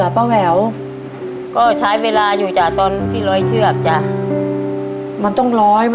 ไปนาน